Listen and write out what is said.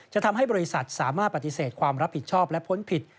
ทำให้บริษัทสามารถปฏิเสธความรับผิดชอบและพ้นผิด